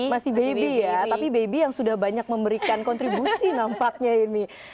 masih baby ya tapi baby yang sudah banyak memberikan kontribusi nampaknya ini